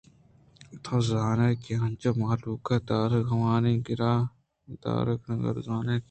تو زانئے کہ انچو مہلوک ءِ دارگ ءُآوانی گرءُدار کنگ ارزان نہ اِنت